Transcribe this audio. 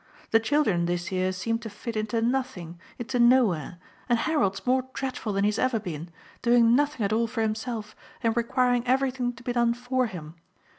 The children this year seem to fit into nothing, into nowhere, and Harold's more dreadful than he has ever been, doing nothing at all for himself and requiring everything to be done for him.